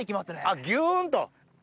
あっギュンと。